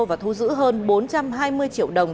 và thu giữ hơn bốn trăm hai mươi triệu đồng